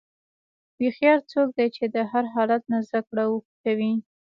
هوښیار څوک دی چې د هر حالت نه زدهکړه کوي.